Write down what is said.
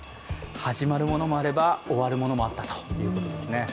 始まるものもあれば、終わるものもあったということですね。